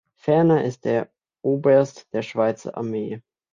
Ferner ist er Oberst der Schweizer Armee.